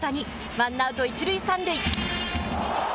ワンアウト１塁３塁。